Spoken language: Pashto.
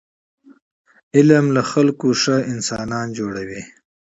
علم له خلکو ښه انسانان جوړوي.